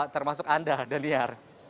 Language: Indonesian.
termasuk anda daniar